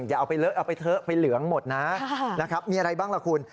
อย่าเอาไปเหลืองหมดนะมีอะไรบ้างล่ะคุณ